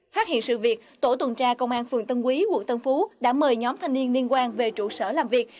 phát hiện sự việc tổ tuần tra công an phường tân quý quận tân phú đã mời nhóm thanh niên liên quan về trụ sở làm việc